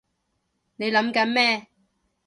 你諗緊咩？